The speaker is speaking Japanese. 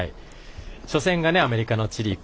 初戦がアメリカのチリコ。